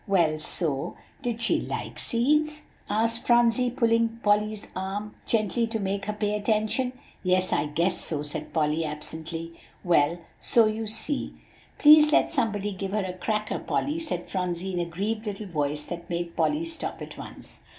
Well, so" "Did she like seeds?" asked Phronsie, pulling Polly's arm gently to make her pay attention. "Yes, I guess so," said Polly absently. "Well, so you see" "Please let somebody give her a cracker, Polly," said Phronsie in a grieved little voice that made Polly stop at once.